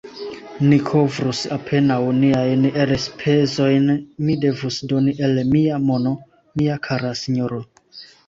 Ni kovrus apenaŭ niajn elspezojn; mi devus doni el mia mono, mia kara sinjoro!